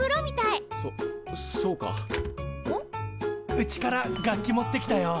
うちから楽器持ってきたよ。